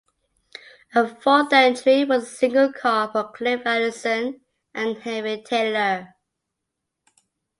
A fourth entry was a single car for Cliff Allison and Henry Taylor.